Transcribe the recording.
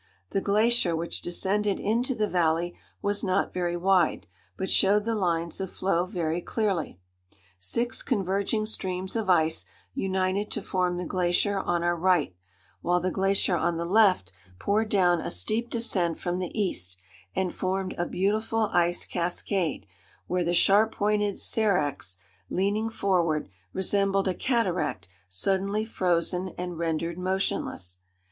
The glacier which descended into the valley was not very wide, but showed the lines of flow very clearly. Six converging streams of ice united to form the glacier on our right, while the glacier on the left poured down a steep descent from the east, and formed a beautiful ice cascade, where the sharp pointed seracs, leaning forward, resembled a cataract suddenly frozen and rendered motionless.